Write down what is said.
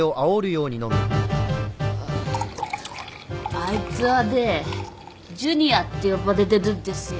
あいつはねジュニアって呼ばれてるんですよ。